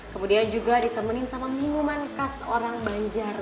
kemudian juga ditemenin sama minuman khas orang banjar